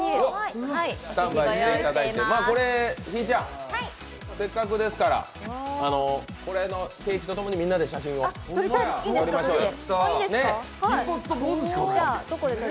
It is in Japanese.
ひぃちゃん、せっかくですから、これのケーキと共にみんなで写真を撮りましょうよ。